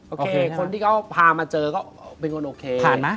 โอเคนะคนที่เขาพามาเจอก็เป็นคนโอเค